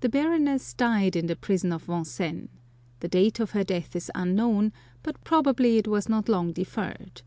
The Baroness died in the prison of Vincennes. The date of her death is unknown, but probably it was not long deferred.